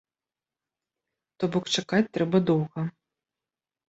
То бок чакаць трэба доўга.